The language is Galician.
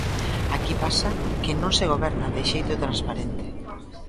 Aquí pasa que non se goberna de xeito transparente.